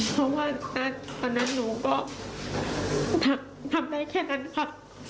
เพราะว่าตอนนั้นหนูก็ทำได้แค่นั้นค่ะ